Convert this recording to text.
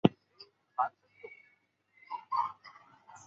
服从德川家康而成为大名的太田氏支流则不能判断是否属于此流。